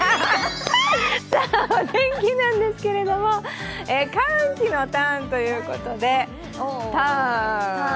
お天気なんですけれども、寒気のターンということで、ターン！